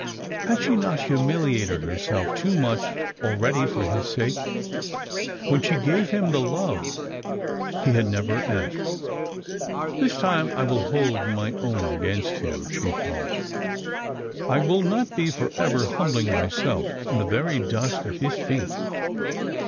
pad she not humiliated herself too much already for his sake, when she gave him the love he had never asked ? "This time I will hold my own agamst him," she thought; 'I will not be for ever humbling myself in the very dust at his feet.